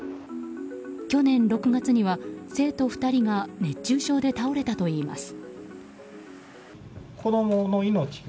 去年６月には、生徒２人が熱中症で倒れたといいます。